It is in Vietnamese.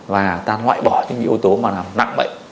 và ta loại bỏ những yếu tố mà làm nặng bệnh